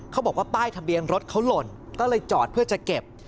เขาบอกว่าป้ายทะเบียนรถเขาหล่นก็เลยจอดเพื่อจะเก็บ